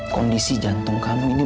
kondisi jantung kamu ini